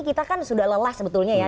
kita kan sudah lelah sebetulnya ya